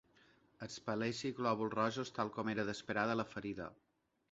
Expel·leixi glòbuls rojos, tal com era d'esperar de la ferida.